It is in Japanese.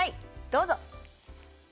どうぞ！